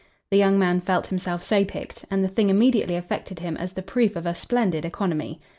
The young man felt himself so picked, and the thing immediately affected him as the proof of a splendid economy.